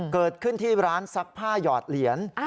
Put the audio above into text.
เกิดขึ้นที่ร้านซักผ้าหยอดเหรียญ